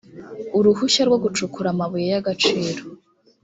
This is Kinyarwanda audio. uruhushya rwo gucukura amabuye y ‘agaciro